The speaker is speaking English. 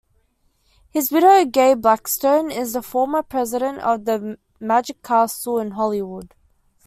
His widow, Gay Blackstone, is the former president of The Magic Castle in Hollywood.